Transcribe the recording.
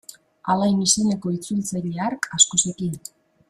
Alain izeneko itzultzaile hark asko zekien.